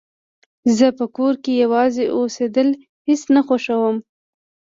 زه په کور کې يوازې اوسيدل هيڅ نه خوښوم